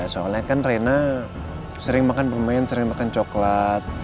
soalnya kan rena sering makan pemain sering makan coklat